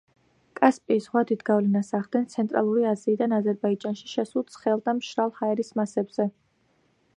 კასპიის ზღვა დიდ გავლენას ახდენს ცენტრალური აზიიდან აზერბაიჯანში შესულ ცხელ და მშრალ ჰაერის მასებზე.